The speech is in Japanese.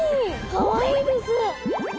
かわいいです。